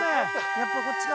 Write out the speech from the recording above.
やっぱこっちか。